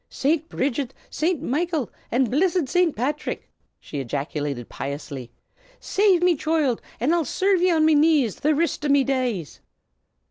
Saint Bridget, Saint Michael, an' blissid Saint Patrick!" she ejaculated piously, "save me choild, an' I'll serve ye on me knees the rist o' me days."